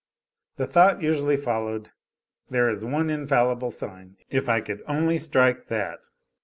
The thought usually followed: "There is one infallible sign if I could only strike that!"